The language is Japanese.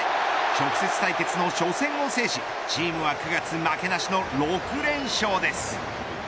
直接対決の初戦を制しチームは９月負けなしの６連勝です。